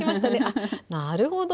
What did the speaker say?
あなるほど！